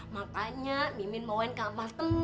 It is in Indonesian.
makanya mimin bawain ke apartemen